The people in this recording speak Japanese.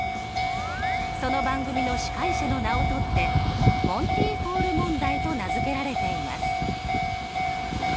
その番組の司会者の名を取ってモンティ・ホール問題と名付けられています。